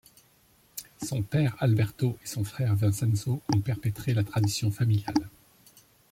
Son père Alberto et son frère Vincenzo ont perpétré la tradition familiale.